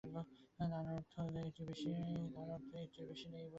তার অর্থ, একটির বেশি নেই বলে।